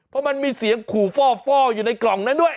เพราะมันมีเสียงขู่ฟ่ออยู่ในกล่องนั้นด้วย